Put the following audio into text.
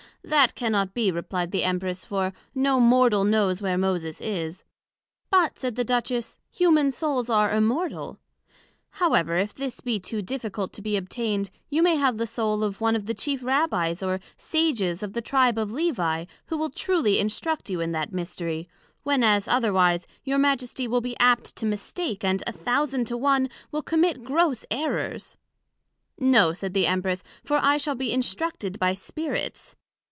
That cannot be, replied the Empress, for no Mortal knows where Moses is. But, said the Duchess, humane Souls are immortal; however, if this be too difficult to be obtained, you may have the Soul of one of the chief Rabbies or Sages of the Tribe of Levi, who will truly instruct you in that mystery; when as, otherwise, your Majesty will be apt to mistake, and a thousand to one, will commit gross errors. No, said the Empress, for I shall be instructed by Spirits.